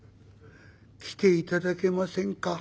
「来て頂けませんか」。